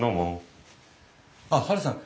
あっハルさん。